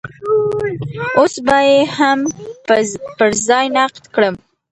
اوس به يې هم پر ځای نقد کړم.